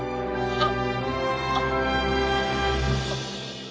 あっ。